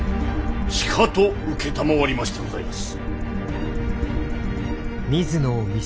しかと承りましてございます。